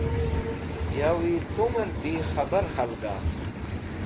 Yawi tumẽr bi khẽbar khalga?